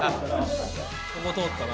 ここ通ったな。